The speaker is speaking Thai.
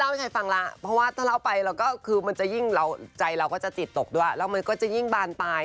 อันนี้ความเชื่อนจริงนะ